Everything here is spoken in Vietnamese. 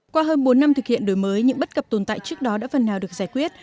qua hơn bốn năm thực hiện đổi mới những bất cập tồn tại trước đó đã phần nào được giải quyết